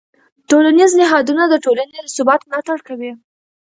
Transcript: ټولنیز نهادونه د ټولنې د ثبات ملاتړ کوي.